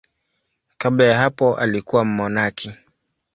Kabla ya hapo alikuwa mmonaki.